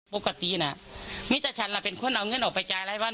ปกติน่ะมิตชันล่ะเป็นคนเอาเงินออกไปจ่ายรายวัน